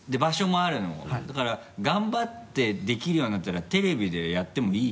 だから頑張ってできるようになったらテレビでやってもいい？